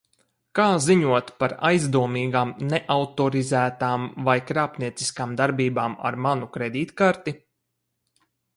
Kā ziņot par aizdomīgām, neautorizētām vai krāpnieciskām darbībām ar manu kredītkarti?